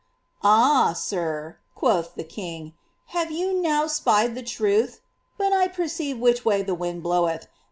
" Ah ! sir," quoth the king, " have you now spied the truth ? But I perceive which way the wind bloweth.